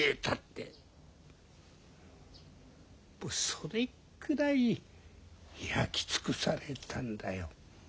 それくらい焼き尽くされたんだよ。